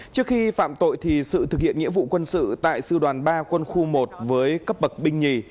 trước khi phạm tội thì sự thực hiện nghĩa vụ quân sự tại sư đoàn ba quân khu một với cấp bậc binh nhì